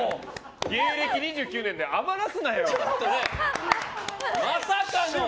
芸歴２９年で余らすなよ！